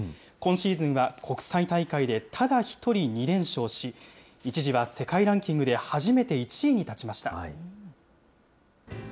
今シーズンは国際大会でただ一人２連勝し、一時は世界ランキングで初めて１位に立ちました。